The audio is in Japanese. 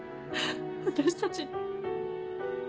私たちに。